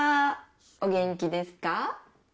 お元気ですか。